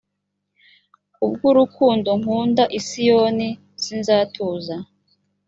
ku bw urukundo nkunda i siyoni sinzatuza